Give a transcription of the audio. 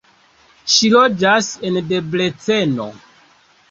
Ŝi loĝas en Debreceno.